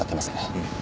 うん。